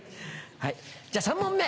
じゃ３問目。